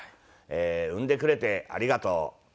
産んでくれてありがとう。